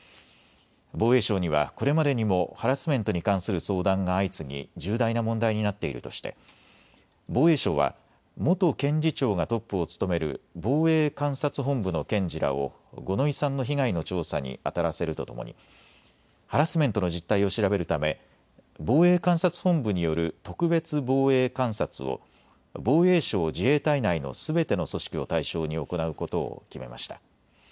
防衛省にはこれまでにもハラスメントに関する相談が相次ぎ重大な問題になっているとして防衛省は元検事長がトップを務める防衛監察本部の検事らを五ノ井さんの被害の調査にあたらせるとともにハラスメントの実態を調べるため防衛監察本部による特別防衛監察を防衛省・自衛隊内のすべての組織を対象に行うことを決めました。